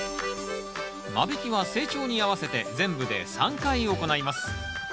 間引きは成長に合わせて全部で３回行います。